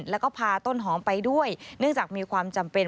แล้วก็พาต้นหอมไปด้วยเนื่องจากมีความจำเป็น